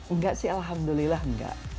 enggak sih alhamdulillah enggak